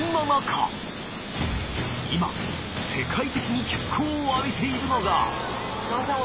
今世界的に脚光を浴びているのがすいません